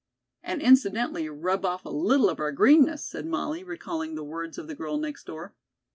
"And incidentally rub off a little of our greenness," said Molly, recalling the words of the girl next door.